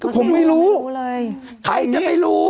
ผมไม่รู้